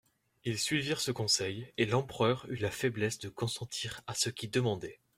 Ils suivirent ce conseil, et l'empereur eut la faiblesse de consentir à ce qu'ils demandaient.